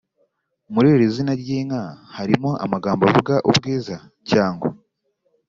muri iri zina ry’inka, harimo amagambo avuga ubwiza cyangwa